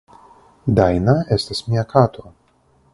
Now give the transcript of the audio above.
Dajna estas mia kato.